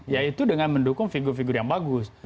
yaitu dengan mendukung figur figur yang bagus